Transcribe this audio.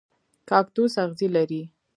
کاکتوس اغزي لري